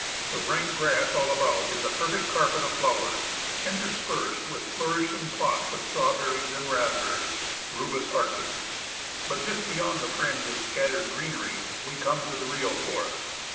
The rank grass all about is a perfect carpet of flowers, interspersed with flourishing plots of strawberries and raspberries i^Rubus articus). But just beyond the fringe of scattered greenery, we come to the real forest.